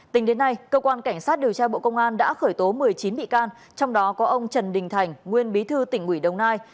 tính đến nay cơ quan cảnh sát điều tra bộ công an đã khởi tố một mươi chín bị can trong đó có ông trần đình thành nguyên bí thư tỉnh ủy đồng nai